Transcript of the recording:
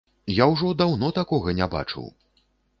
Я ўжо даўно такога не бачыў!